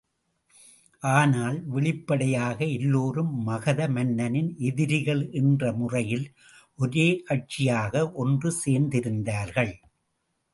ஆனால், வெளிப்படையாக எல்லோரும் மகத மன்னனின் எதிரிகள் என்ற முறையில் ஒரே கட்சியாக ஒன்று சேர்ந்திருந்தார்கள்!